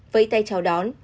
với tay chào đón